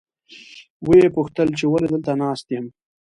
ویې پوښتل چې ولې دلته ناست یم.